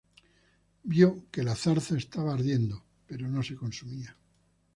Vio que la zarza estaba ardiendo pero no se consumía.